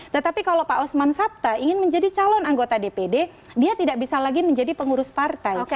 tetapi kalau pak osman sabta ingin menjadi calon anggota dpd dia tidak bisa lagi menjadi pengurus partai